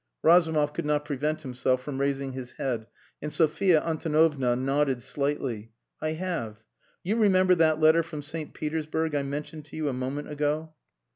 Razumov could not prevent himself from raising his head, and Sophia Antonovna nodded slightly. "I have. You remember that letter from St. Petersburg I mentioned to you a moment ago?"